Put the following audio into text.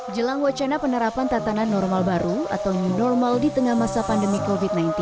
jelang wacana penerapan tatanan normal baru atau new normal di tengah masa pandemi covid sembilan belas